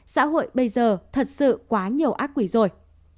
xã hội bây giờ thật sự quá nhiều ác quỷ rồi